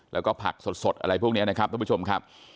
แล้วก็ผักสดอะไรพวกนี้นะครับท่านผู้ชมครับ